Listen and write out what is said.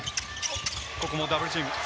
ここもダブルチーム。